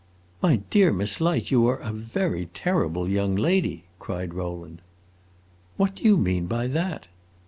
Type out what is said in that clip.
"My dear Miss Light, you are a very terrible young lady!" cried Rowland. "What do you mean by that?"